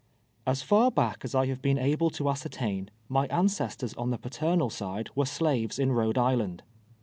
As far back as I have been able to ascertain, my ancesti>rs on the paternal side were slaves in Rhode Island.